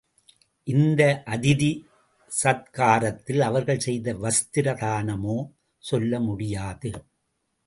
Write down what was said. இந்த அதிதி சத்காரத்தில் அவர்கள் செய்த வஸ்திர தானமோ சொல்ல முடியாது.